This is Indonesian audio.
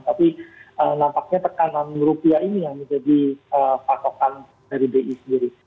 tapi nampaknya tekanan rupiah ini yang menjadi patokan dari bi sendiri